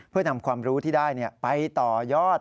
เพื่อนำความรู้ที่ได้ไปต่อยอด